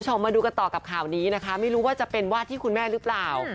มาดูกันต่อกับข่าวนี้นะคะไม่รู้ว่าจะเป็นวาดที่คุณแม่หรือเปล่า